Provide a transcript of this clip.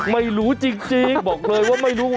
ไม่รู้จริงบอกเลยว่าไม่รู้